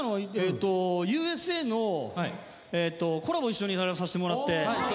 『Ｕ．Ｓ．Ａ．』のコラボ一緒にやらさせてもらって。